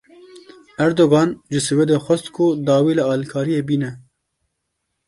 Erdogan ji Swêdê xwast ku dawî li alîkariyê bîne.